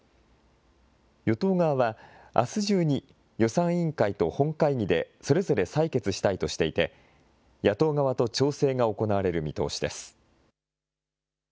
与党側は、あす中に予算委員会と本会議で、それぞれ採決したいとしていて、野党側と調整が行われる見通しです。